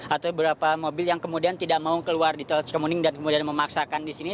atau beberapa mobil yang kemudian tidak mau keluar di tol ciremuning dan kemudian memaksakan di sini